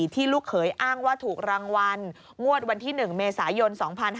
ลูกเขยอ้างว่าถูกรางวัลงวดวันที่๑เมษายน๒๕๕๙